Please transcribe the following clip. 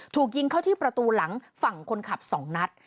ถูกยิงเข้าที่ประตูหลังฝั่งคนขับ๒นัด